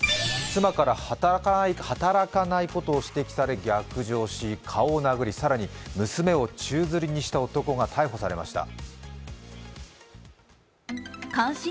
妻から働かないことを指摘され逆上し顔を殴り、更に娘を宙づりにした男が逮捕されました。